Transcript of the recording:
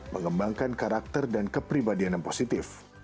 mengembangkan karakter dan kepribadian yang positif